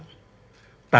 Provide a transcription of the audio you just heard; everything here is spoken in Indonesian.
tanpa menyebabkan kegiatan